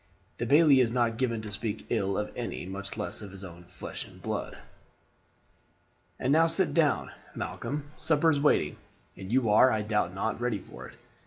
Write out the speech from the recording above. "The bailie is not given to speak ill of any, much less of his own flesh and blood." "And now sit down, Malcolm. Supper is waiting, and you are, I doubt not, ready for it.